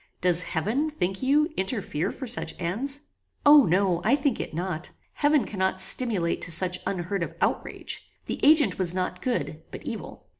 Does heaven, think you, interfere for such ends?" "O no; I think it not. Heaven cannot stimulate to such unheard of outrage. The agent was not good, but evil."